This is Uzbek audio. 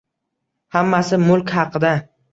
Hammasi mulk haqida